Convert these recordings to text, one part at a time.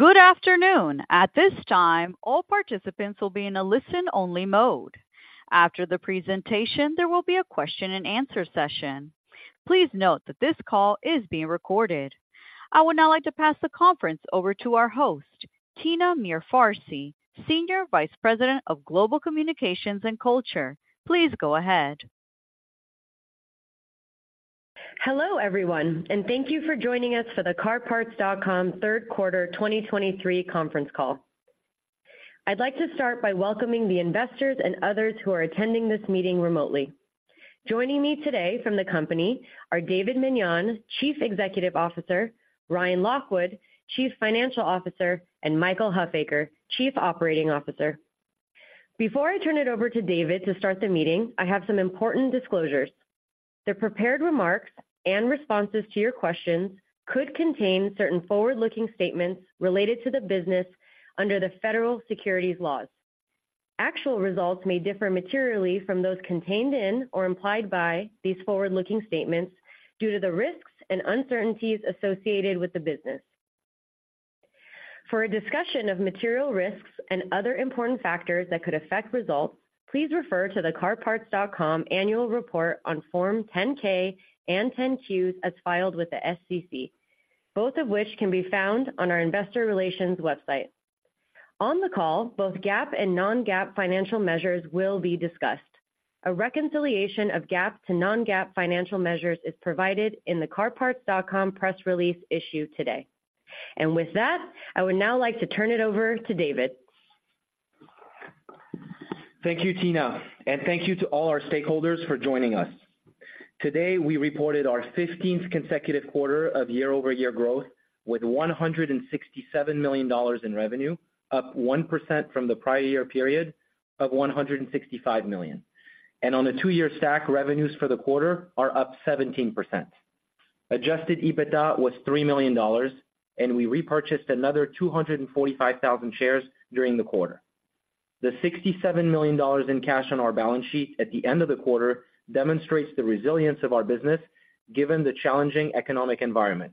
Good afternoon! At this time, all participants will be in a listen-only mode. After the presentation, there will be a question and answer session. Please note that this call is being recorded. I would now like to pass the conference over to our host, Tina Mirfarsi, Senior Vice President of Global Communications and Culture. Please go ahead. Hello, everyone, and thank you for joining us for the CarParts.com Third Quarter 2023 Conference Call. I'd like to start by welcoming the investors and others who are attending this meeting remotely. Joining me today from the company are David Meniane, Chief Executive Officer; Ryan Lockwood, Chief Financial Officer; and Michael Huffaker, Chief Operating Officer. Before I turn it over to David to start the meeting, I have some important disclosures. The prepared remarks and responses to your questions could contain certain forward-looking statements related to the business under the federal securities laws. Actual results may differ materially from those contained in or implied by these forward-looking statements due to the risks and uncertainties associated with the business. For a discussion of material risks and other important factors that could affect results, please refer to the CarParts.com Annual Report on Form 10-K and 10-Qs as filed with the SEC, both of which can be found on our investor relations website. On the call, both GAAP and non-GAAP financial measures will be discussed. A reconciliation of GAAP to non-GAAP financial measures is provided in the CarParts.com press release issued today. With that, I would now like to turn it over to David. Thank you, Tina, and thank you to all our stakeholders for joining us. Today, we reported our 15th consecutive quarter of year-over-year growth with $167 million in revenue, up 1% from the prior year period of $165 million. On a two-year stack, revenues for the quarter are up 17%. Adjusted EBITDA was $3 million, and we repurchased another 245,000 shares during the quarter. The $67 million in cash on our balance sheet at the end of the quarter demonstrates the resilience of our business, given the challenging economic environment.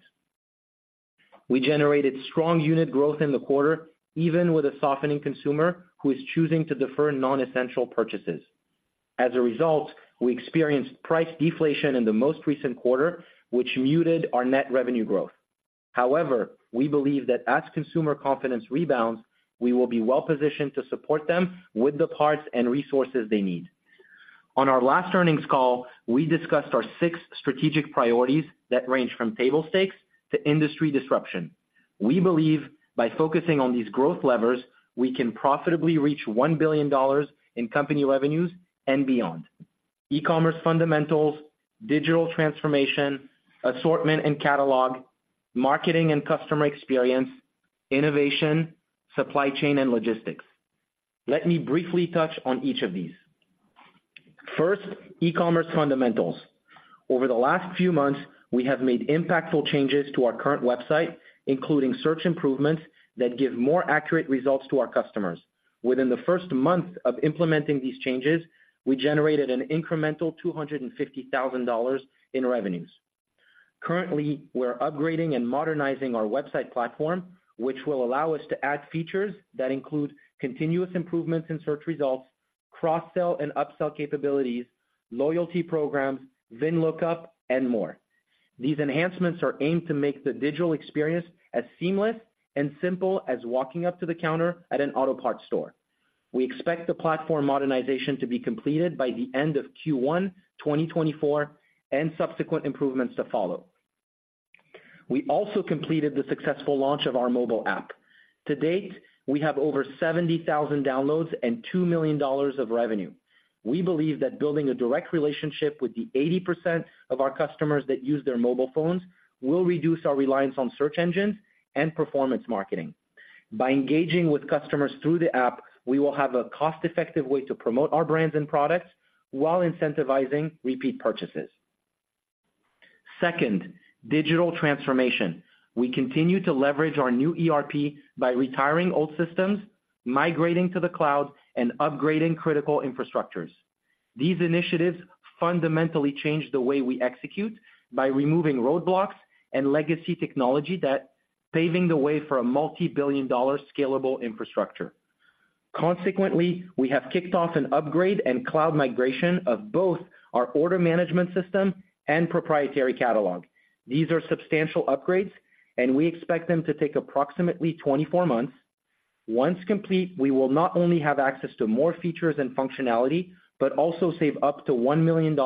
We generated strong unit growth in the quarter, even with a softening consumer who is choosing to defer non-essential purchases. As a result, we experienced price deflation in the most recent quarter, which muted our net revenue growth. However, we believe that as consumer confidence rebounds, we will be well positioned to support them with the parts and resources they need. On our last earnings call, we discussed our six strategic priorities that range from table stakes to industry disruption. We believe by focusing on these growth levers, we can profitably reach $1 billion in company revenues and beyond. E-commerce fundamentals, digital transformation, assortment and catalog, marketing and customer experience, innovation, supply chain and logistics. Let me briefly touch on each of these. First, e-commerce fundamentals. Over the last few months, we have made impactful changes to our current website, including search improvements that give more accurate results to our customers. Within the first month of implementing these changes, we generated an incremental $250,000 in revenues. Currently, we're upgrading and modernizing our website platform, which will allow us to add features that include continuous improvements in search results, cross-sell and upsell capabilities, loyalty programs, VIN lookup, and more. These enhancements are aimed to make the digital experience as seamless and simple as walking up to the counter at an auto parts store. We expect the platform modernization to be completed by the end of Q1 2024, and subsequent improvements to follow. We also completed the successful launch of our mobile app. To date, we have over 70,000 downloads and $2 million of revenue. We believe that building a direct relationship with the 80% of our customers that use their mobile phones will reduce our reliance on search engines and performance marketing. By engaging with customers through the app, we will have a cost-effective way to promote our brands and products while incentivizing repeat purchases. Second, digital transformation. We continue to leverage our new ERP by retiring old systems, migrating to the cloud, and upgrading critical infrastructures. These initiatives fundamentally change the way we execute by removing roadblocks and legacy technology that... Paving the way for a multi-billion-dollar scalable infrastructure. Consequently, we have kicked off an upgrade and cloud migration of both our order management system and proprietary catalog. These are substantial upgrades, and we expect them to take approximately 24 months. Once complete, we will not only have access to more features and functionality, but also save up to $1 million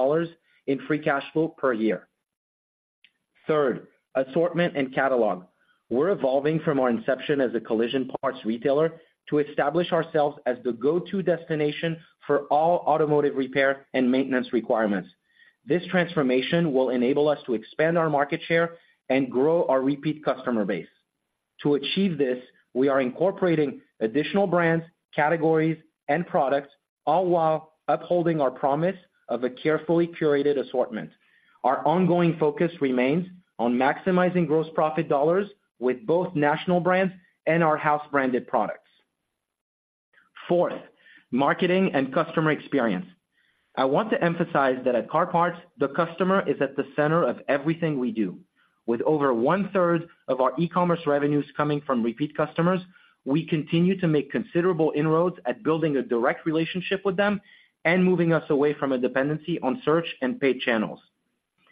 in free cash flow per year. Third, assortment and catalog. We're evolving from our inception as a collision parts retailer to establish ourselves as the go-to destination for all automotive repair and maintenance requirements. This transformation will enable us to expand our market share and grow our repeat customer base. To achieve this, we are incorporating additional brands, categories, and products, all while upholding our promise of a carefully curated assortment. Our ongoing focus remains on maximizing gross profit dollars with both national brands and our house-branded products. Fourth, marketing and customer experience. I want to emphasize that at CarParts.com, the customer is at the center of everything we do. With over one-third of our e-commerce revenues coming from repeat customers, we continue to make considerable inroads at building a direct relationship with them and moving us away from a dependency on search and paid channels.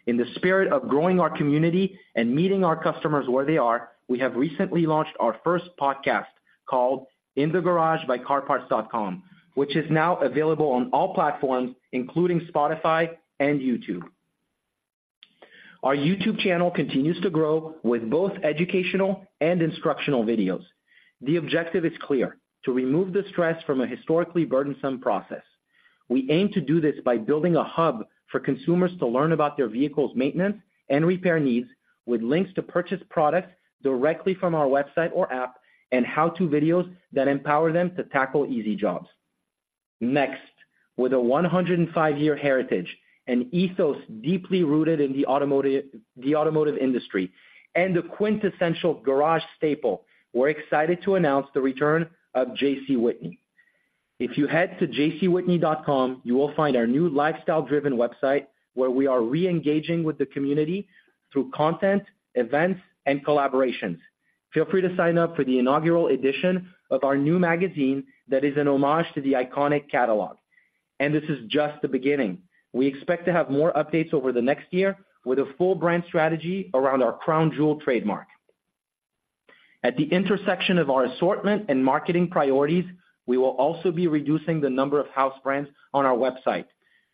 In the spirit of growing our community and meeting our customers where they are, we have recently launched our first podcast, called In the Garage by CarParts.com, which is now available on all platforms, including Spotify and YouTube. Our YouTube channel continues to grow with both educational and instructional videos. The objective is clear: to remove the stress from a historically burdensome process. We aim to do this by building a hub for consumers to learn about their vehicle's maintenance and repair needs, with links to purchase products directly from our website or app, and how-to videos that empower them to tackle easy jobs. Next, with a 105-year heritage, an ethos deeply rooted in the automotive, the automotive industry, and a quintessential garage staple, we're excited to announce the return of J.C. Whitney. If you head to JCWhitney.com, you will find our new lifestyle-driven website, where we are reengaging with the community through content, events, and collaborations. Feel free to sign up for the inaugural edition of our new magazine that is an homage to the iconic catalog. This is just the beginning. We expect to have more updates over the next year with a full brand strategy around our crown jewel trademark. At the intersection of our assortment and marketing priorities, we will also be reducing the number of house brands on our website.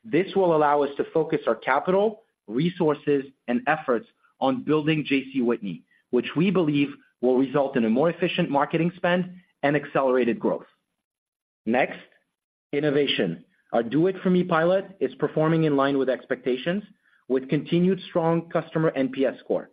This will allow us to focus our capital, resources, and efforts on building J.C. Whitney, which we believe will result in a more efficient marketing spend and accelerated growth. Next, innovation. Our Do It For Me pilot is performing in line with expectations, with continued strong customer NPS score.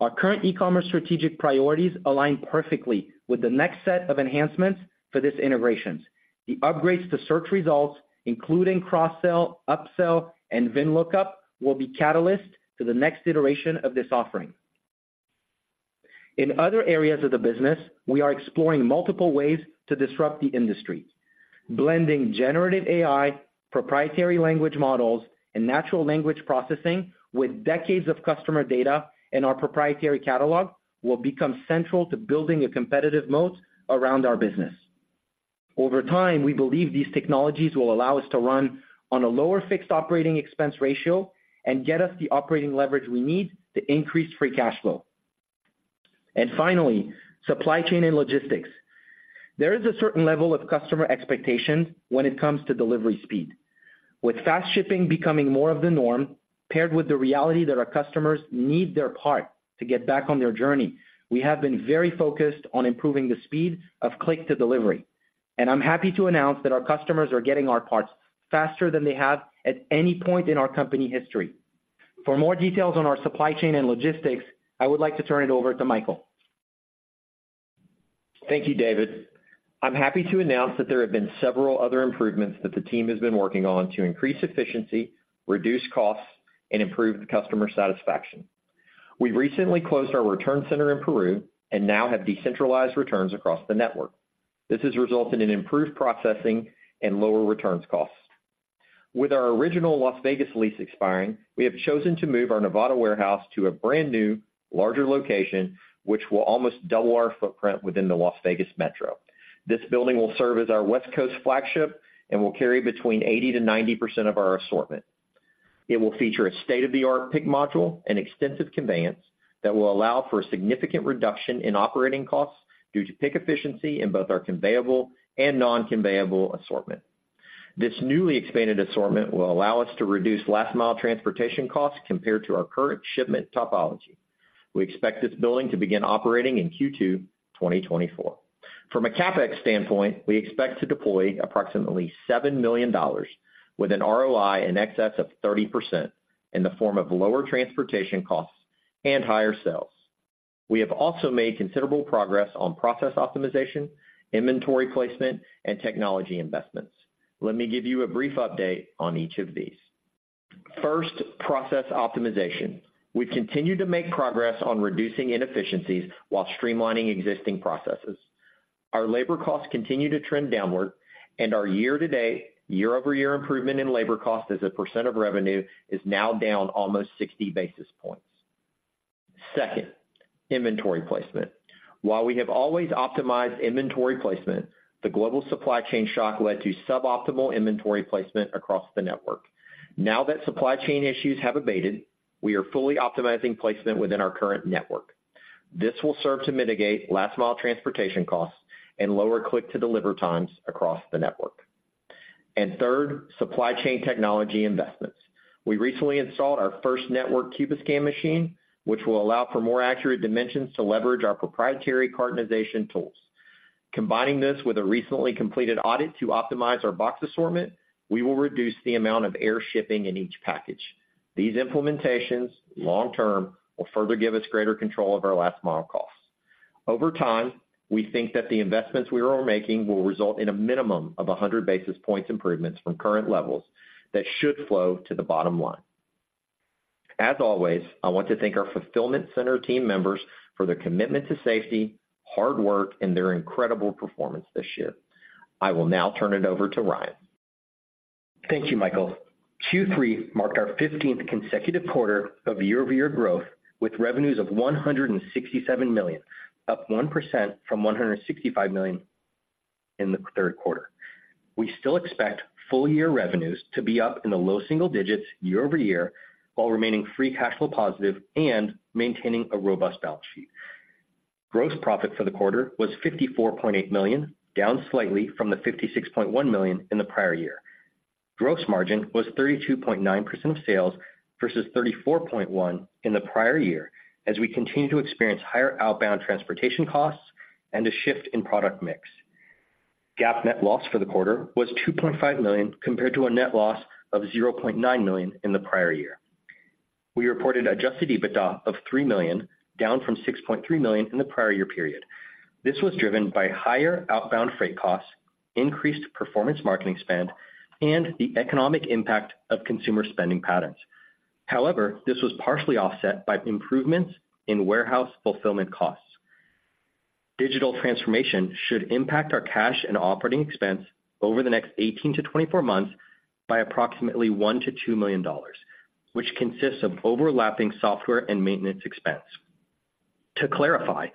Our current e-commerce strategic priorities align perfectly with the next set of enhancements for this integration. The upgrades to search results, including cross-sell, upsell, and VIN Lookup, will be a catalyst to the next iteration of this offering. In other areas of the business, we are exploring multiple ways to disrupt the industry. Blending Generative AI, proprietary language models, and Natural Language Processing with decades of customer data and our proprietary catalog will become central to building a competitive moat around our business. Over time, we believe these technologies will allow us to run on a lower fixed operating expense ratio and get us the operating leverage we need to increase free cash flow. Finally, supply chain and logistics. There is a certain level of customer expectation when it comes to delivery speed. With fast shipping becoming more of the norm, paired with the reality that our customers need their part to get back on their journey, we have been very focused on improving the speed of Click-to-Delivery. I'm happy to announce that our customers are getting our parts faster than they have at any point in our company history. For more details on our supply chain and logistics, I would like to turn it over to Michael. Thank you, David. I'm happy to announce that there have been several other improvements that the team has been working on to increase efficiency, reduce costs, and improve the customer satisfaction. We recently closed our return center in Peru and now have decentralized returns across the network. This has resulted in improved processing and lower returns costs. With our original Las Vegas lease expiring, we have chosen to move our Nevada warehouse to a brand-new, larger location, which will almost double our footprint within the Las Vegas metro. This building will serve as our West Coast flagship and will carry between 80%-90% of our assortment. It will feature a state-of-the-art pick module and extensive conveyance that will allow for a significant reduction in operating costs due to pick efficiency in both our conveyable and non-conveyable assortment. This newly expanded assortment will allow us to reduce last-mile transportation costs compared to our current shipment topology. We expect this building to begin operating in Q2 2024. From a CapEx standpoint, we expect to deploy approximately $7 million, with an ROI in excess of 30%, in the form of lower transportation costs and higher sales. We have also made considerable progress on process optimization, inventory placement, and technology investments. Let me give you a brief update on each of these. First, process optimization. We've continued to make progress on reducing inefficiencies while streamlining existing processes. Our labor costs continue to trend downward, and our year-to-date, year-over-year improvement in labor cost as a percent of revenue is now down almost 60 basis points. Second, inventory placement. While we have always optimized inventory placement, the global supply chain shock led to suboptimal inventory placement across the network. Now that supply chain issues have abated, we are fully optimizing placement within our current network. This will serve to mitigate last-mile transportation costs and lower click-to-deliver times across the network. Third, supply chain technology investments. We recently installed our first network Cubiscan machine, which will allow for more accurate dimensions to leverage our proprietary cartonization tools. Combining this with a recently completed audit to optimize our box assortment, we will reduce the amount of air shipping in each package. These implementations, long term, will further give us greater control of our last-mile costs. Over time, we think that the investments we are making will result in a minimum of 100 basis points improvements from current levels that should flow to the bottom line. ...As always, I want to thank our fulfillment center team members for their commitment to safety, hard work, and their incredible performance this year. I will now turn it over to Ryan. Thank you, Michael. Q3 marked our fifteenth consecutive quarter of year-over-year growth, with revenues of $167 million, up 1% from $165 million in the third quarter. We still expect full year revenues to be up in the low single digits year-over-year, while remaining free cash flow positive and maintaining a robust balance sheet. Gross profit for the quarter was $54.8 million, down slightly from the $56.1 million in the prior year. Gross margin was 32.9% of sales versus 34.1% in the prior year, as we continue to experience higher outbound transportation costs and a shift in product mix. GAAP net loss for the quarter was $2.5 million, compared to a net loss of $0.9 million in the prior year. We reported adjusted EBITDA of $3 million, down from $6.3 million in the prior year period. This was driven by higher outbound freight costs, increased performance marketing spend, and the economic impact of consumer spending patterns. However, this was partially offset by improvements in warehouse fulfillment costs. Digital transformation should impact our cash and operating expense over the next 18-24 months by approximately $1-$2 million, which consists of overlapping software and maintenance expense. To clarify,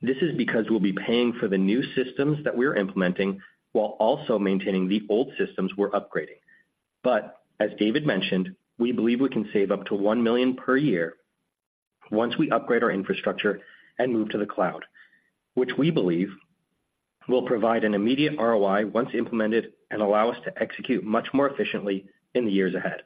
this is because we'll be paying for the new systems that we're implementing while also maintaining the old systems we're upgrading. But as David mentioned, we believe we can save up to $1 million per year once we upgrade our infrastructure and move to the cloud, which we believe will provide an immediate ROI once implemented and allow us to execute much more efficiently in the years ahead.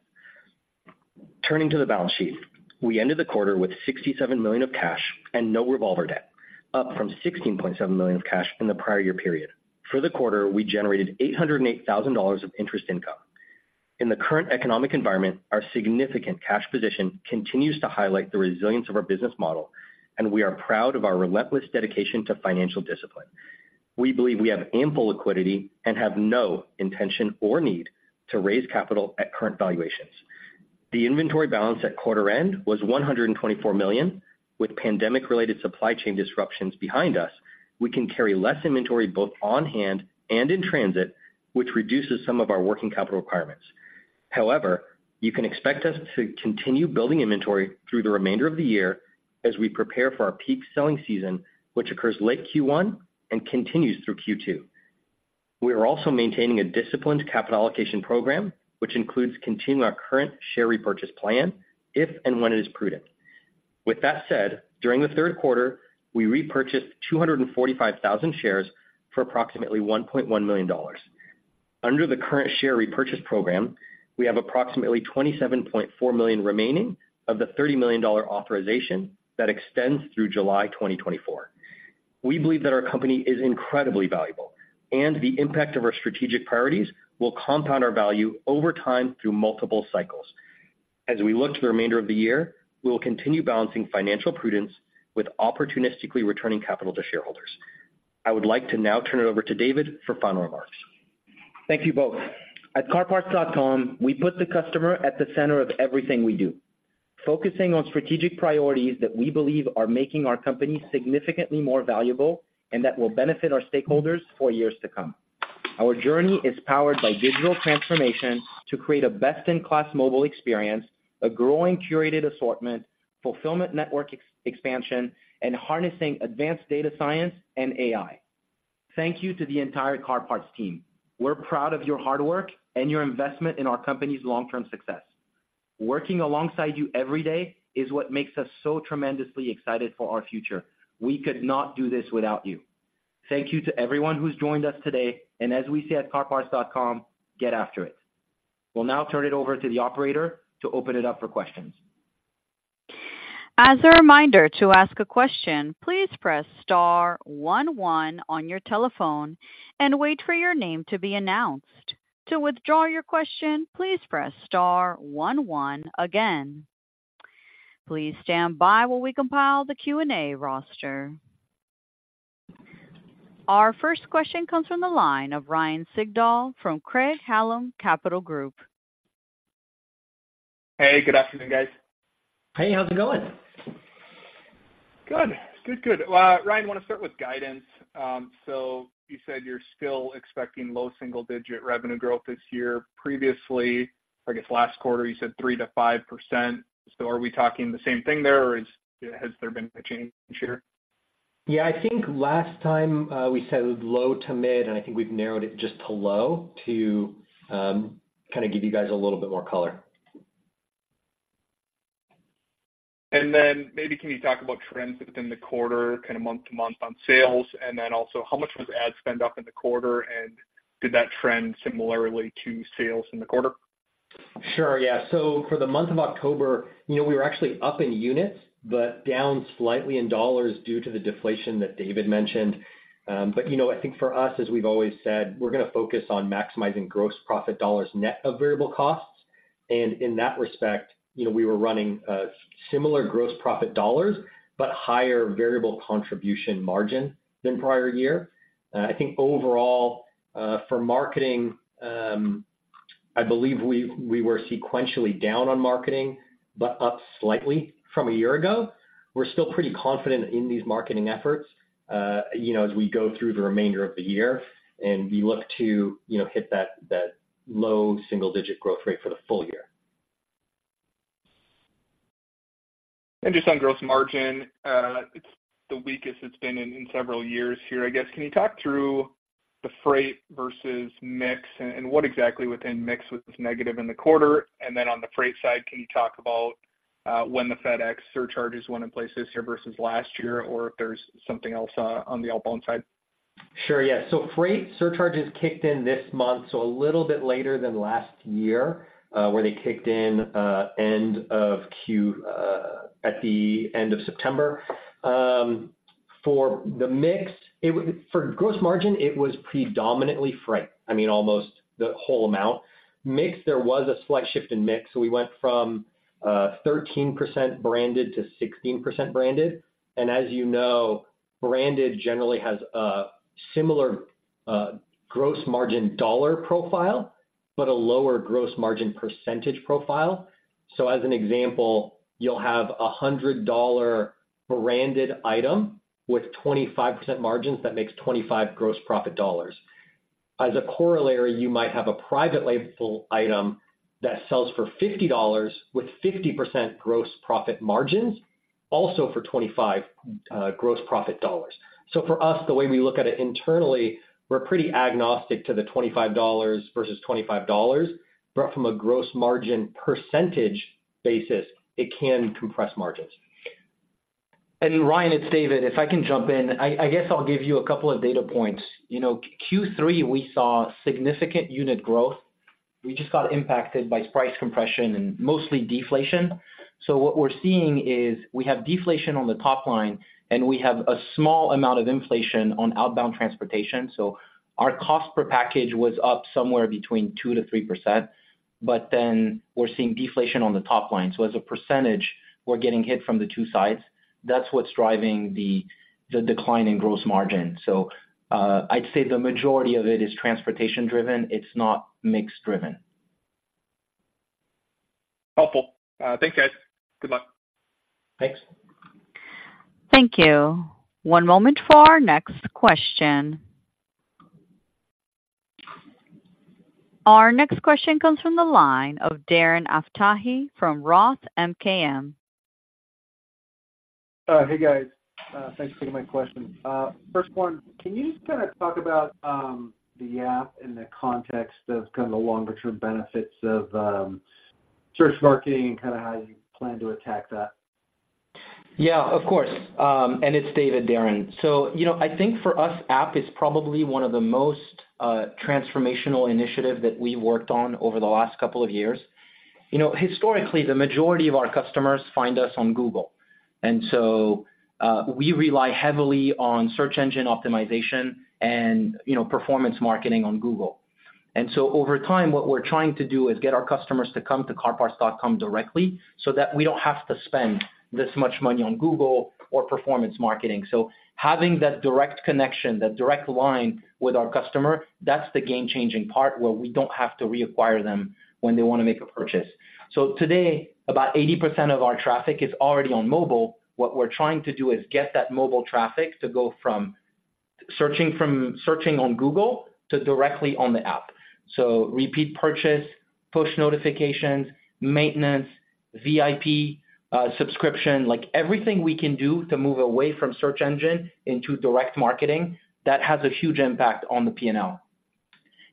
Turning to the balance sheet, we ended the quarter with $67 million of cash and no revolver debt, up from $16.7 million of cash in the prior year period. For the quarter, we generated $808 thousand of interest income. In the current economic environment, our significant cash position continues to highlight the resilience of our business model, and we are proud of our relentless dedication to financial discipline. We believe we have ample liquidity and have no intention or need to raise capital at current valuations. The inventory balance at quarter end was $124 million. With pandemic-related supply chain disruptions behind us, we can carry less inventory, both on hand and in transit, which reduces some of our working capital requirements. However, you can expect us to continue building inventory through the remainder of the year as we prepare for our peak selling season, which occurs late Q1 and continues through Q2. We are also maintaining a disciplined capital allocation program, which includes continuing our current share repurchase plan if and when it is prudent. With that said, during the third quarter, we repurchased 245,000 shares for approximately $1.1 million. Under the current share repurchase program, we have approximately $27.4 million remaining of the $30 million authorization that extends through July 2024. We believe that our company is incredibly valuable, and the impact of our strategic priorities will compound our value over time through multiple cycles. As we look to the remainder of the year, we will continue balancing financial prudence with opportunistically returning capital to shareholders. I would like to now turn it over to David for final remarks. Thank you both. At CarParts.com, we put the customer at the center of everything we do, focusing on strategic priorities that we believe are making our company significantly more valuable and that will benefit our stakeholders for years to come. Our journey is powered by digital transformation to create a best-in-class mobile experience, a growing curated assortment, fulfillment network expansion, and harnessing advanced data science and AI. Thank you to the entire CarParts team. We're proud of your hard work and your investment in our company's long-term success. Working alongside you every day is what makes us so tremendously excited for our future. We could not do this without you. Thank you to everyone who's joined us today, and as we say at CarParts.com, "Get after it!" We'll now turn it over to the operator to open it up for questions. As a reminder, to ask a question, please press star one one on your telephone and wait for your name to be announced. To withdraw your question, please press star one one again. Please stand by while we compile the Q&A roster. Our first question comes from the line of Ryan Sigdahl from Craig-Hallum Capital Group. Hey, good afternoon, guys. Hey, how's it going? Good. Good, good. Ryan, I want to start with guidance. So you said you're still expecting low single-digit revenue growth this year. Previously, I guess last quarter, you said 3%-5%. So are we talking the same thing there, or is... Has there been a change this year? Yeah, I think last time, we said it was low to mid, and I think we've narrowed it just to low to, kind of give you guys a little bit more color. And then maybe can you talk about trends within the quarter, kind of month-to-month on sales, and then also, how much was ad spend up in the quarter, and did that trend similarly to sales in the quarter? Sure. Yeah. So for the month of October, you know, we were actually up in units, but down slightly in dollars due to the deflation that David mentioned. But, you know, I think for us, as we've always said, we're gonna focus on maximizing gross profit dollars net of variable costs, and in that respect, you know, we were running similar gross profit dollars, but higher variable contribution margin than prior year. I think overall, for marketing, I believe we were sequentially down on marketing, but up slightly from a year ago. We're still pretty confident in these marketing efforts, you know, as we go through the remainder of the year, and we look to, you know, hit that low single-digit growth rate for the full year. Just on Gross Margin, it's the weakest it's been in several years here, I guess. Can you talk through the freight versus mix, and what exactly within mix was negative in the quarter? And then on the freight side, can you talk about when the FedEx surcharges went in place this year versus last year, or if there's something else on the outbound side? Sure, yeah. So freight surcharges kicked in this month, so a little bit later than last year, where they kicked in end of Q at the end of September. For the mix, for gross margin, it was predominantly freight. I mean, almost the whole amount. Mix, there was a slight shift in mix, so we went from 13% branded to 16% branded. And as you know, branded generally has a similar gross margin dollar profile, but a lower gross margin percentage profile. So as an example, you'll have a $100 branded item with 25% margins that makes $25 gross profit dollars. As a corollary, you might have a private label item that sells for $50 with 50% gross profit margins, also for $25 gross profit dollars. For us, the way we look at it internally, we're pretty agnostic to the $25 versus $25, but from a gross margin percentage basis, it can compress margins. And Ryan, it's David, if I can jump in. I guess I'll give you a couple of data points. You know, Q3, we saw significant unit growth. We just got impacted by price compression and mostly deflation. So what we're seeing is we have deflation on the top line, and we have a small amount of inflation on outbound transportation. So our cost per package was up somewhere between 2%-3%, but then we're seeing deflation on the top line. So as a percentage, we're getting hit from the two sides. That's what's driving the decline in gross margin. So, I'd say the majority of it is transportation driven. It's not mix driven. Helpful. Thanks, guys. Good luck. Thanks. Thank you. One moment for our next question. Our next question comes from the line of Darren Aftahi from Roth MKM. Hey, guys, thanks for taking my question. First one, can you just kinda talk about the app in the context of kind of the longer-term benefits of search marketing and kinda how you plan to attack that? Yeah, of course. And it's David, Darren. So, you know, I think for us, app is probably one of the most transformational initiative that we worked on over the last couple of years. You know, historically, the majority of our customers find us on Google, and so we rely heavily on search engine optimization and, you know, performance marketing on Google. And so over time, what we're trying to do is get our customers to come to CarParts.com directly, so that we don't have to spend this much money on Google or performance marketing. So having that direct connection, that direct line with our customer, that's the game-changing part, where we don't have to reacquire them when they wanna make a purchase. So today, about 80% of our traffic is already on mobile. What we're trying to do is get that mobile traffic to go from searching on Google to directly on the app. So repeat purchase, push notifications, maintenance, VIP, subscription, like, everything we can do to move away from search engine into direct marketing, that has a huge impact on the P&L.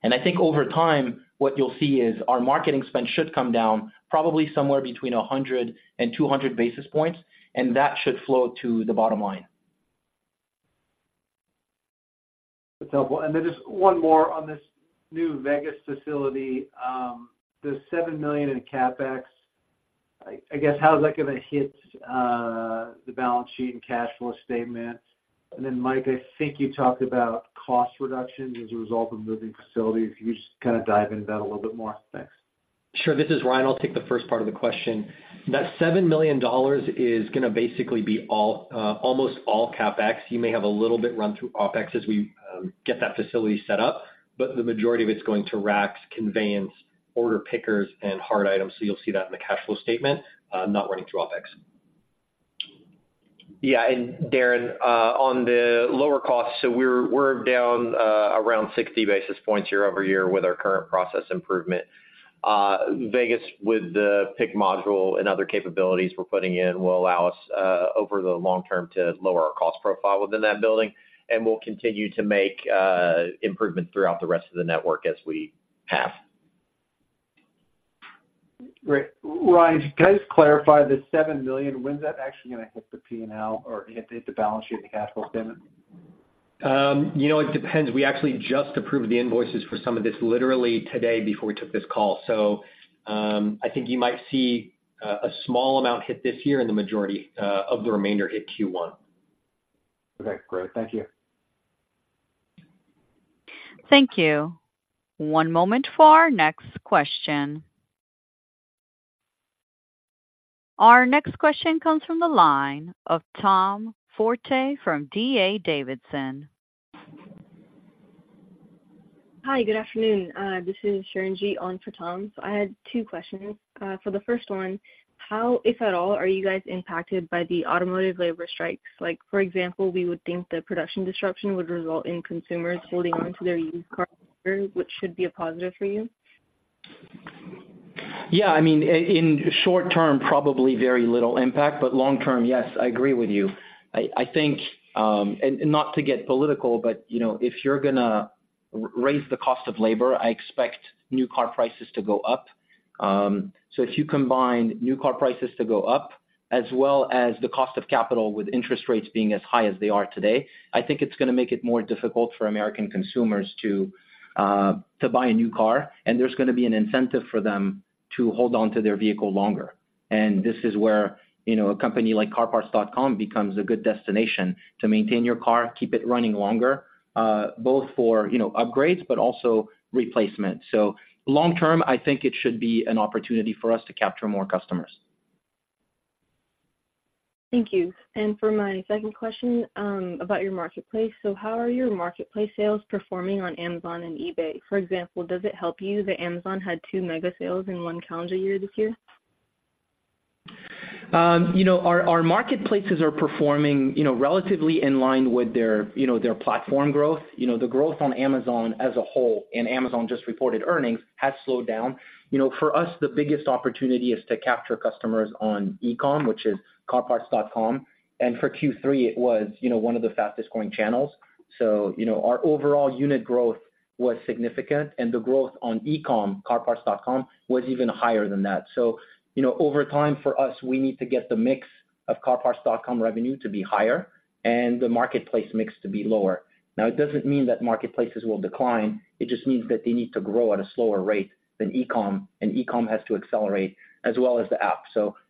And I think over time, what you'll see is our marketing spend should come down probably somewhere between 100 and 200 basis points, and that should flow to the bottom line. That's helpful. And then just one more on this new Vegas facility, the $7 million in CapEx, I guess, how is that gonna hit the balance sheet and cash flow statement? And then, Mike, I think you talked about cost reductions as a result of moving facilities. Can you just kinda dive into that a little bit more? Thanks. Sure. This is Ryan. I'll take the first part of the question. That $7 million is gonna basically be all, almost all CapEx. You may have a little bit run through OpEx as we get that facility set up, but the majority of it's going to racks, conveyance, order pickers, and hard items. So you'll see that in the cash flow statement, not running through OpEx. Yeah, and Darren, on the lower costs, so we're, we're down around 60 basis points year-over-year with our current process improvement. Vegas, with the pick module and other capabilities we're putting in, will allow us, over the long term, to lower our cost profile within that building, and we'll continue to make improvements throughout the rest of the network as we have. Great. Ryan, can you just clarify the $7 million, when's that actually gonna hit the P&L or hit the balance sheet and cash flow statement? You know, it depends. We actually just approved the invoices for some of this, literally today before we took this call. So, I think you might see a small amount hit this year and the majority of the remainder hit Q1. Okay, great. Thank you.... Thank you. One moment for our next question. Our next question comes from the line of Tom Forte from D.A. Davidson. Hi, good afternoon. This is Sharon G. on for Tom. So I had two questions. For the first one, how, if at all, are you guys impacted by the automotive labor strikes? Like, for example, we would think the production disruption would result in consumers holding on to their used cars, which should be a positive for you. Yeah, I mean, in short term, probably very little impact, but long term, yes, I agree with you. I think, and not to get political, but, you know, if you're gonna raise the cost of labor, I expect new car prices to go up. So if you combine new car prices to go up, as well as the cost of capital, with interest rates being as high as they are today, I think it's gonna make it more difficult for American consumers to buy a new car, and there's gonna be an incentive for them to hold on to their vehicle longer. And this is where, you know, a company like CarParts.com becomes a good destination to maintain your car, keep it running longer, both for, you know, upgrades, but also replacement. Long term, I think it should be an opportunity for us to capture more customers. Thank you. For my second question, about your marketplace. How are your marketplace sales performing on Amazon and eBay? For example, does it help you that Amazon had two mega sales in one calendar year this year? You know, our marketplaces are performing, you know, relatively in line with their, you know, their platform growth. You know, the growth on Amazon as a whole, and Amazon just reported earnings, has slowed down. You know, for us, the biggest opportunity is to capture customers on e-com, which is CarParts.com. For Q3, it was, you know, one of the fastest growing channels. So, you know, our overall unit growth was significant, and the growth on e-com, CarParts.com, was even higher than that. So, you know, over time, for us, we need to get the mix of CarParts.com revenue to be higher and the marketplace mix to be lower. Now, it doesn't mean that marketplaces will decline, it just means that they need to grow at a slower rate than e-com, and e-com has to accelerate as well as the app.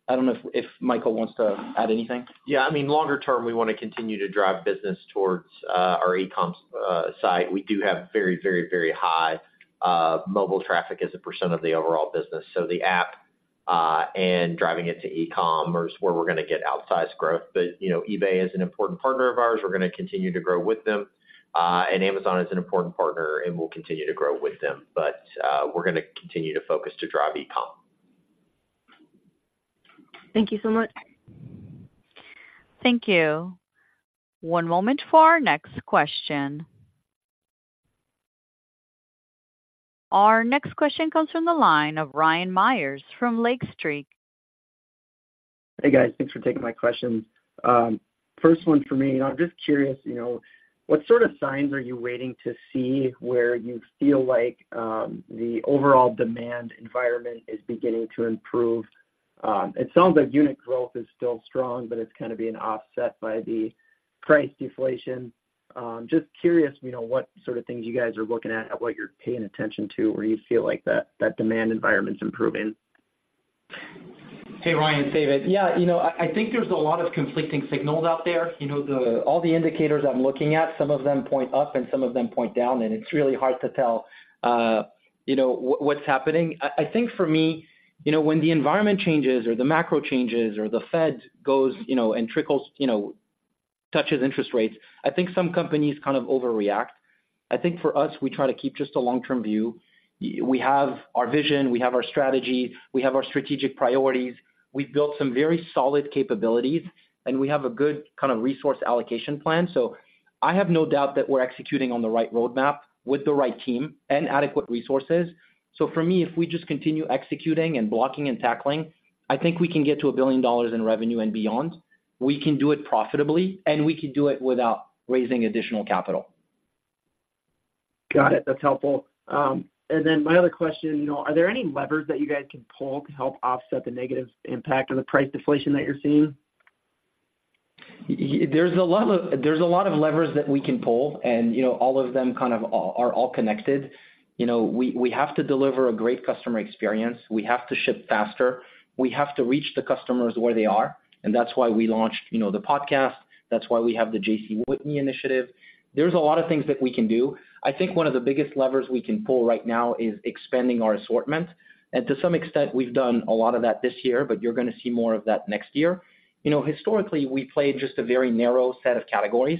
I don't know if Michael wants to add anything. Yeah, I mean, longer term, we wanna continue to drive business towards our e-com site. We do have very, very, very high mobile traffic as a percent of the overall business. So the app and driving it to e-com is where we're gonna get outsized growth. But, you know, eBay is an important partner of ours. We're gonna continue to grow with them. And Amazon is an important partner, and we'll continue to grow with them. But, we're gonna continue to focus to drive e-com. Thank you so much. Thank you. One moment for our next question. Our next question comes from the line of Ryan Meyers from Lake Street. Hey, guys. Thanks for taking my questions. First one for me, I'm just curious, you know, what sort of signs are you waiting to see where you feel like the overall demand environment is beginning to improve? It sounds like unit growth is still strong, but it's kind of being offset by the price deflation. Just curious, you know, what sort of things you guys are looking at and what you're paying attention to, where you feel like that, that demand environment is improving. Hey, Ryan, David. Yeah, you know, I think there's a lot of conflicting signals out there. You know, the... All the indicators I'm looking at, some of them point up, and some of them point down, and it's really hard to tell, you know, what's happening. I think for me, you know, when the environment changes or the macro changes or the Fed goes, you know, and trickles, you know, touches interest rates, I think some companies kind of overreact. I think for us, we try to keep just a long-term view. We have our vision, we have our strategy, we have our strategic priorities, we've built some very solid capabilities, and we have a good kind of resource allocation plan. So I have no doubt that we're executing on the right roadmap with the right team and adequate resources. So for me, if we just continue executing and blocking and tackling, I think we can get to $1 billion in revenue and beyond. We can do it profitably, and we can do it without raising additional capital. Got it. That's helpful. And then my other question, you know, are there any levers that you guys can pull to help offset the negative impact of the price deflation that you're seeing? There's a lot of levers that we can pull, and, you know, all of them kind of are all connected. You know, we have to deliver a great customer experience, we have to ship faster, we have to reach the customers where they are, and that's why we launched, you know, the podcast, that's why we have the J.C. Whitney initiative. There's a lot of things that we can do. I think one of the biggest levers we can pull right now is expanding our assortment. And to some extent, we've done a lot of that this year, but you're gonna see more of that next year. You know, historically, we played just a very narrow set of categories.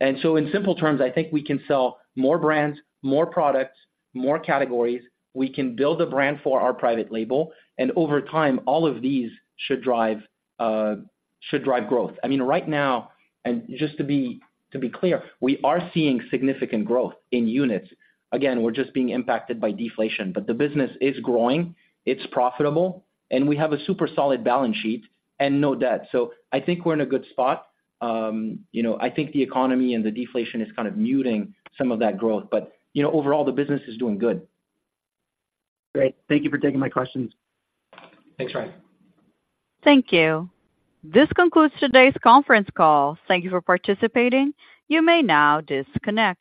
And so in simple terms, I think we can sell more brands, more products, more categories. We can build a brand for our Private Label, and over time, all of these should drive should drive growth. I mean, right now, and just to be, to be clear, we are seeing significant growth in units. Again, we're just being impacted by deflation, but the business is growing, it's profitable, and we have a super solid balance sheet and no debt. So I think we're in a good spot. You know, I think the economy and the deflation is kind of muting some of that growth, but, you know, overall, the business is doing good. Great. Thank you for taking my questions. Thanks, Ryan. Thank you. This concludes today's conference call. Thank you for participating. You may now disconnect.